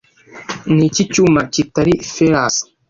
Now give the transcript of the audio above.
Niki cyuma kitari ferrous